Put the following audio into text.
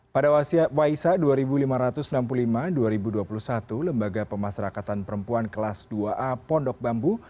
pada waisa dua ribu lima ratus enam puluh lima dua ribu dua puluh satu lembaga pemasrakatan perempuan kelas dua a pondok bambu